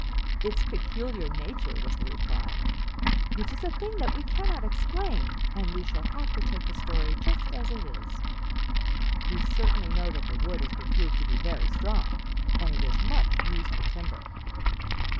"Its peculiar nature," was the reply, "which is a thing that we cannot explain, and we shall have to take the story just as it is. We certainly know that the wood has been proved to be very strong, and it is much used for timber."